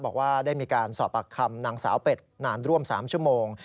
บอกว่าได้มีการสอบปากคำนางสาวเป็ดนานร่วม๓ชั่วโมง